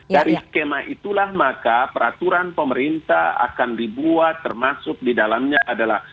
dari skema itulah maka peraturan pemerintah akan dibuat termasuk di dalamnya adalah